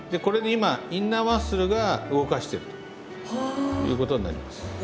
これで今インナーマッスルが動かしているということになります。